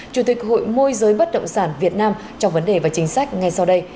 chủ tịch hội môi giới bất động sản việt nam trong vấn đề và chính sách ngay sau đây